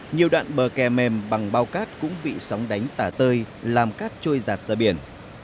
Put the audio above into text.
nhiều đoạn bờ kè mềm bằng bao cát cũng bị sóng đánh tả tơi làm cát trôi giạt ra biển